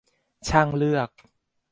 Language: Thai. ช่างเลือก